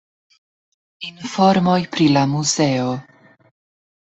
Informoj pri la muzeo.